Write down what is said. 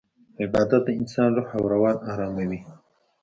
عبادت د انسان روح او روان اراموي.